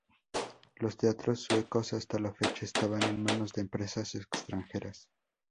Los teatros suecos hasta la fecha estaban en manos de empresas extranjeras.